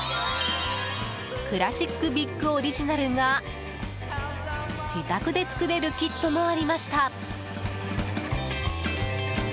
クラシックビッグオリジナルが自宅で作れるキットもありました。